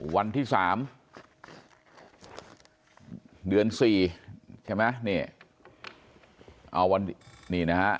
วันที่๓เดือน๔ใช่ไหมนี่เอาวันนี้นะฮะ